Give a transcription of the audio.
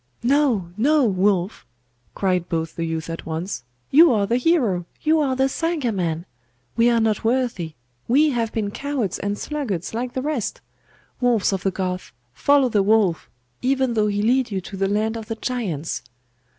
'No! no! Wulf!' cried both the youths at once. 'You are the hero! you are the Sagaman! We are not worthy; we have been cowards and sluggards, like the rest. Wolves of the Goths, follow the Wolf, even though he lead you to the land of the giants!